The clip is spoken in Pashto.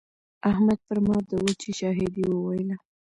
احمد پر ما د وچې شاهدي وويله.